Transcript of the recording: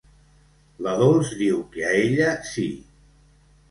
La Dols diu que a ella sí.